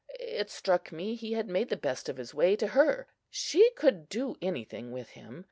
It struck me he had made the best of his way to her. She could do anything with him.